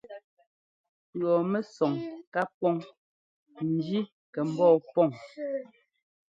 Pʉ̈ɔmɛsɔŋ ká pɔŋ njí kɛ ḿbɔɔ pɔŋ.